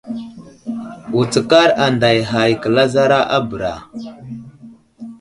Wutskar anday hay kəlazara a bəra.